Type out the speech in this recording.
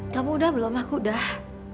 kamu udah belum aku dah